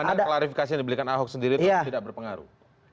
karena klarifikasi yang diberikan ahok sendiri itu tidak berpengaruh